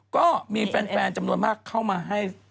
ก็มีแฟนจำนวนมากเข้ามาให้